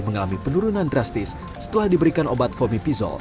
mengalami penurunan drastis setelah diberikan obat vomipizol